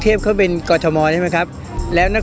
จังหวัดนี้น่ากลัว